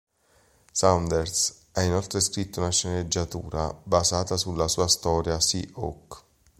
Saunders ha inoltre scritto una sceneggiatura basata sulla sua storia "Sea Oak".